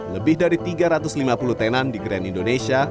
lebih dari tiga ratus lima puluh tenan di grand indonesia